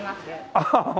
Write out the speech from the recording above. アハハハ。